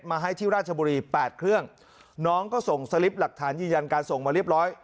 มาให้ที่ราชบุรีแปดเครื่องน้องก็ส่งสลิปหลักฐานยืนยันการส่งมาเรียบร้อย